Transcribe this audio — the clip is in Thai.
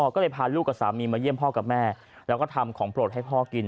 ก็เลยพาลูกกับสามีมาเยี่ยมพ่อกับแม่แล้วก็ทำของโปรดให้พ่อกิน